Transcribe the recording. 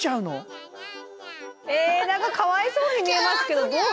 え何かかわいそうに見えますけど。